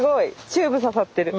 チューブ刺さってる。